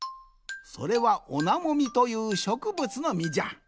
それはオナモミというしょくぶつのみじゃ。